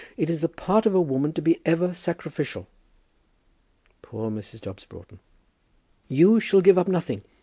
It is the part of a woman to be ever sacrificial!" Poor Mrs. Dobbs Broughton! "You shall give up nothing.